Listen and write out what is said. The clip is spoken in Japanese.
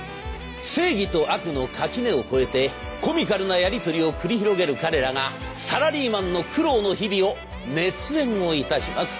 正義と悪の垣根を越えてコミカルなやりとりを繰り広げる彼らがサラリーマンの苦労の日々を熱演をいたします。